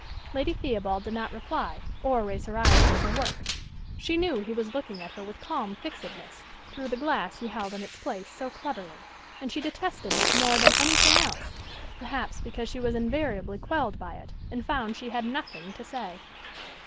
Lady Theobald did not reply, or raise her eyes from her work: she knew he was looking at her with calm fixedness, through the glass he held in its place so cleverly; and she detested this more than any thing else, perhaps because she was invariably quelled by it, and found she had nothing to say.